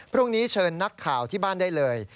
พรุ่งนี้เชิญนักข่าวที่บ้านได้เลย